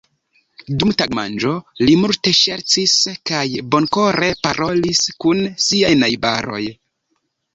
Dum tagmanĝo li multe ŝercis kaj bonkore parolis kun siaj najbaroj.